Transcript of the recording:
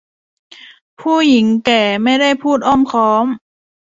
ผู้หญิงแก่ไม่ได้พูดอ้อมค้อม